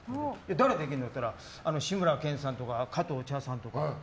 誰できるのって言ったら志村けんさんとか加藤茶さんとか。